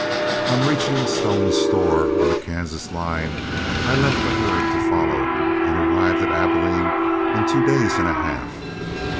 On reaching Stone's Store, on the Kansas line, I left the herd to follow, and arrived at Abilene in two days and a half.